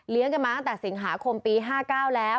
กันมาตั้งแต่สิงหาคมปี๕๙แล้ว